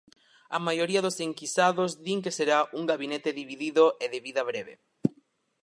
A maioría dos enquisados din que será un gabinete dividido e de vida breve.